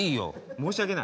申し訳ない。